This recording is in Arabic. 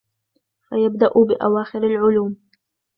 فَيَبْدَأُ بِأَوَاخِرِ الْعُلُومِ